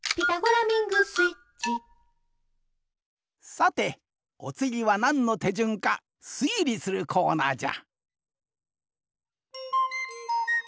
さておつぎはなんのてじゅんかすいりするコーナーじゃ！